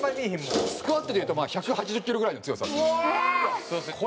スクワットでいうと１８０キロぐらいの強さですね。